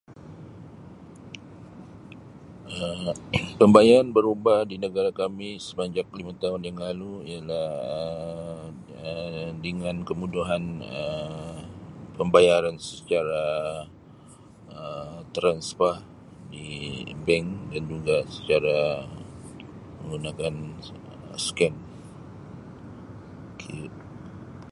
Um pembayaran berubah di negara kami semenjak lima tahun yang lalu ialah Um dingan kemuduhan Um pembayaran secara Um 'transfer' di bank dan juga secara menggunakan s-[Um]scam ke-.